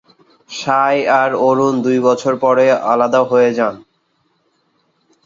সাঁই আর অরুণ দুই বছর পরে আলাদা হয়ে যান।